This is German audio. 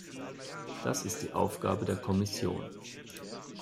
Das ist die Aufgabe der Kommission.